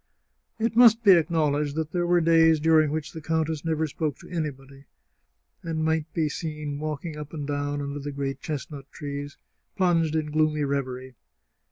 It must be acknowledged that there were days during which the countess never spoke to anybody, and might be seen walking up and down under the great chestnut trees, plunged in gloomy reverie.